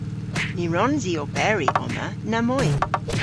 Ny wrons i oberi omma namoy.